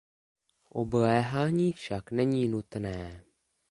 Obléhání však není nutné.